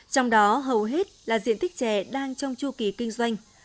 trong đó hầu hết là diện tích chè đang trong chu kỳ kinh doanh